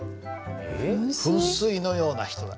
噴水のような人だ。